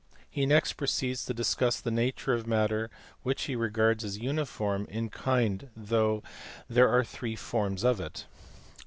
e next proceeds to discuss the nature of matter which he regards as uniform in kind though there are three forms of it.